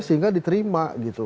sehingga diterima gitu